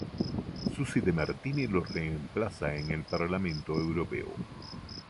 Susy De Martini lo reemplaza en el Parlamento europeo.